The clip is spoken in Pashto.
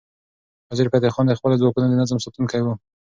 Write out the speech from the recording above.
وزیرفتح خان د خپلو ځواکونو د نظم ساتونکی و.